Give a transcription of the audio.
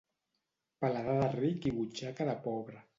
Paladar de ric i butxaca de pobre.